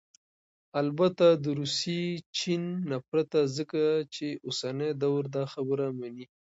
البته دروسي ، چين ... نه پرته ، ځكه چې اوسنى دور داخبره مني